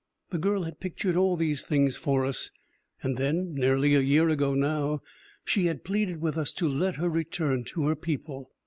The girl had pictured all these things for us, and then nearly a year ago, now she had pleaded with us to let her return to her people.